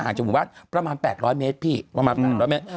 จากหมู่บ้านประมาณ๘๐๐เมตรพี่ประมาณ๘๐๐เมตร